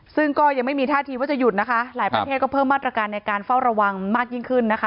ซึ่งก็ยังไม่มีท่าทีว่าจะหยุดนะคะหลายประเทศก็เพิ่มมาตรการในการเฝ้าระวังมากยิ่งขึ้นนะคะ